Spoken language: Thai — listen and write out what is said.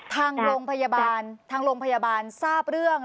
ทางโรงพยาบาลทางโรงพยาบาลทราบเรื่อง